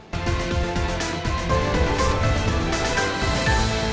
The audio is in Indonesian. kesehatan yang bagus